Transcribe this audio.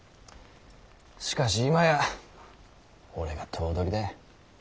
しかし今や俺が頭取だ。